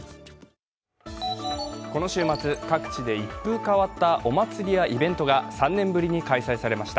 この週末、各地で一風変わったお祭りやイベントが３年ぶりに開催されました。